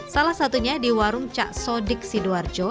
salah satunya di warung cak sodik sidoarjo